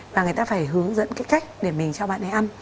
và người ta phải hướng dẫn cái cách để mình cho bạn ấy ăn